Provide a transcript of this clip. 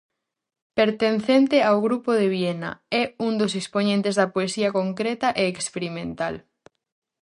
Pertencente ao grupo de Viena, é un dos expoñentes da poesía concreta e experimental.